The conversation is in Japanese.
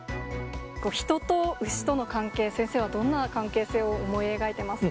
人と牛との関係、先生はどんな関係性を思い描いてますか？